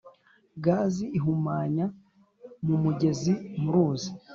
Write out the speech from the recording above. gazi ihumanya mu mugezi mu ruzi